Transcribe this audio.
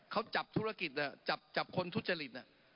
เขาจับธุรกิจนะเจ้าจับคนทุจริตน่ะ